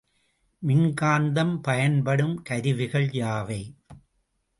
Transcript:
மின்காந்தம் பயன்படும் கருவிகள் யாவை?